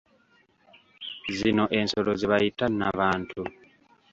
Zino ensolo ze bayita nnabantu.